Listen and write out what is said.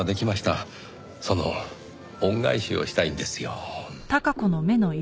その恩返しをしたいんですよ。